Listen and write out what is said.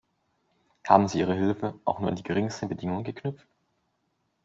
Haben sie ihre Hilfe auch nur an die geringste Bedingung geknüpft?